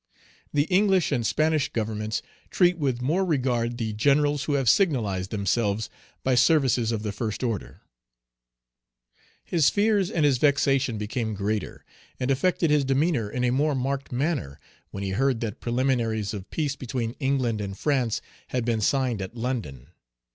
The English and Spanish Governments treat with more regard the generals who have signalized themselves by services of the first order." His fears Page 149 and his vexation became greater, and affected his demeanor in a more marked manner, when he heard that preliminaries of peace between England and France had been signed at London.